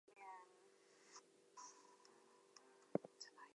Two national associations; Belarus and Spain voted against the proposal.